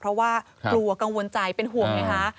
เพราะว่ากลัวกังวลใจเป็นห่วงไงคะ